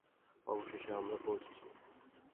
অবশেষে আমরা পৌঁছেছি!